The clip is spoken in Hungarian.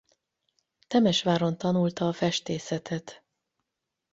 Temesváron tanulta a festészetet.